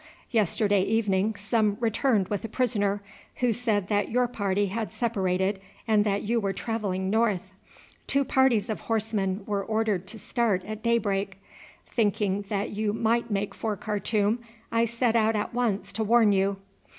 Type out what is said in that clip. Yesterday evening some returned with a prisoner, who said that your party had separated and that you were travelling north. Two parties of horsemen were ordered to start at daybreak. Thinking that you might make for Khartoum, I set out at once to warn you."